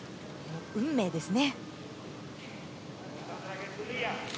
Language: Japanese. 運命ですね。